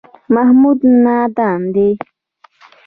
محمود نادان دی.